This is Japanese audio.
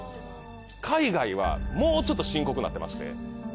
海外はもうちょっと深刻なってまして。